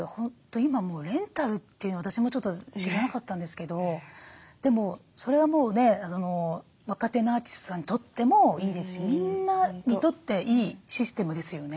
今もうレンタルというのも私もちょっと知らなかったんですけどでもそれはもうね若手のアーティストさんにとってもいいですしみんなにとっていいシステムですよね。